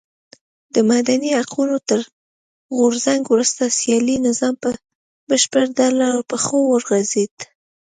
د مدني حقونو تر غورځنګ وروسته سیاسي نظام په بشپړ ډول له پښو وغورځېد.